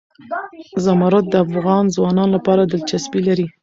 زمرد د افغان ځوانانو لپاره دلچسپي لري.